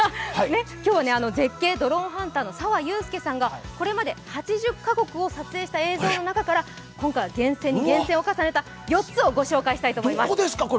今日は絶景ドローンハンターのさわゆうすけさんがこれまで８０カ国を撮影した映像の中から今回は厳選に厳選を重ねた４つをご紹介したいと思います。